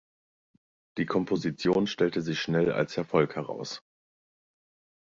Die Komposition stellte sich schnell als Erfolg heraus.